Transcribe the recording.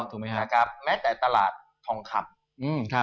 ถูกต้องแม้แต่ตลาดทองคำ